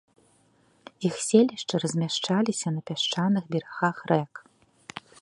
Іх селішчы размяшчаліся на пясчаных берагах рэк.